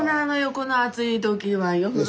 この暑い時は。